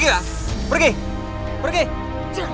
nih jangan jangan pergi lah